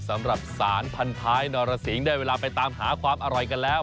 สำหรับสารพันท้ายนรสิงได้เวลาไปตามหาความอร่อยกันแล้ว